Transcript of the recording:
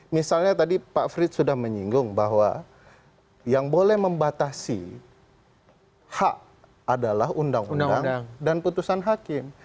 misalnya tadi pak frits sudah menyinggung bahwa yang boleh membatasi hak adalah undang undang dan putusan hakim